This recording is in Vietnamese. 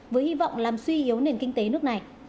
với hy vọng làm suy yếu nền kinh tế nước này